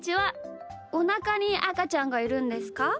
おなかにあかちゃんがいるんですか？